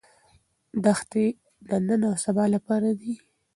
دښتې د نن او سبا لپاره دي.